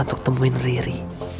untuk temuin riri